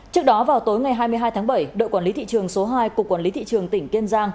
trước đó vào tối ngày hai mươi hai tháng bảy đội quản lý thị trường số hai cục quản lý thị trường tỉnh kiên giang